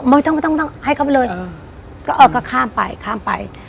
ไม่ต้องไม่ต้องให้เขาไปเลยก็ออกก็ข้ามไปข้ามไป